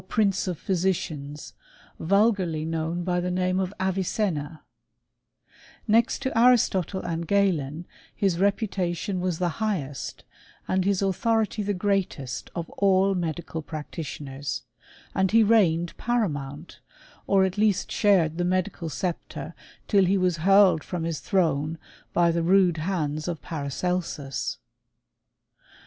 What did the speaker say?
prince of physicians, vulgarly known by the name of Avicenna, Next to Aristotle and Galen, his reputation was the highest, and his authority the greatest of all medical practitioners ; and he reigned paramount, or at least shared the medical sceptre till he was hurled from his throne by the rude hands of Paracelsus.